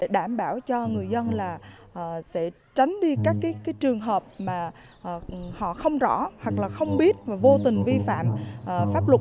đảm bảo cho người dân là sẽ tránh đi các trường hợp mà họ không rõ hoặc là không biết và vô tình vi phạm pháp luật